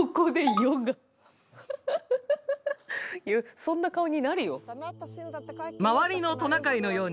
そんな顔になるよ。